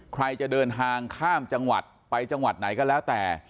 ใครจะเดินทางข้ามจังหวัดไปจังหวัดไหนก็แล้วแต่